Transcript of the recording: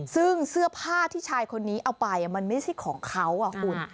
ซึ่งเสื้อผ้าที่ชายคนนี้เอาไปมันไม่ใช่ของเขาคุณ